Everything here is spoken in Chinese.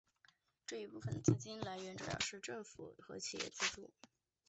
这一部分的资金来源主要是政府和企业资助。